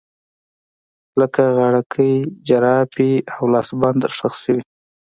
لکه غاړکۍ، جرابې او لاسبند ښخ شوي